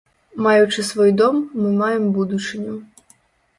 Маючы свой дом, мы маем будучыню.